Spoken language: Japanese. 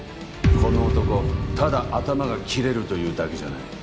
この男ただ頭が切れるというだけじゃない。